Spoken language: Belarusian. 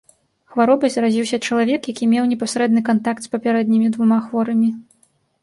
Хваробай заразіўся чалавек, які меў непасрэдны кантакт з папярэднімі двума хворымі.